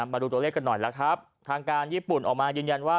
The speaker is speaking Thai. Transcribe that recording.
มาดูตัวเลขกันหน่อยล่ะครับทางการญี่ปุ่นออกมายืนยันว่า